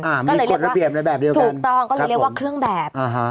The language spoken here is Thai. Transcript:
ไม่ได้กฎระเบียบในแบบเดียวกันถูกต้องก็เลยเรียกว่าเครื่องแบบอ่าฮะ